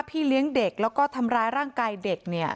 พี่เลี้ยงเด็กแล้วก็ทำร้ายร่างกายเด็กเนี่ย